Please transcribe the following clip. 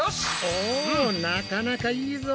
おなかなかいいぞ！